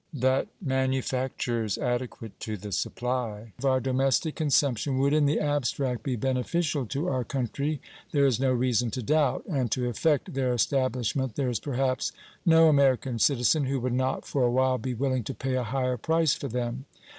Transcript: That manufactures adequate to the supply of our domestic consumption would in the abstract be beneficial to our country there is no reason to doubt, and to effect their establishment there is perhaps no American citizen who would not for a while be willing to pay a higher price for them.